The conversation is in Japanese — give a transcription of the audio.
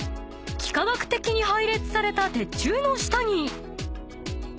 ［幾何学的に配列された鉄柱の下に］